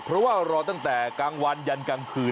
เพราะว่ารอตั้งแต่กลางวันยันกลางคืน